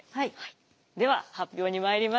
では発表にまいります。